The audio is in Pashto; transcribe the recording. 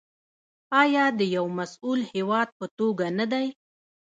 آیا د یو مسوول هیواد په توګه نه دی؟